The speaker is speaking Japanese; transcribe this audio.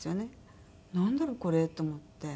なんだろう？これと思って。